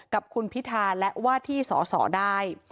กับคุณพิธาและว่าที่สอสอได้